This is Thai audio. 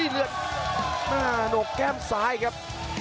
เลือดหนกแก้มซ้ายครับ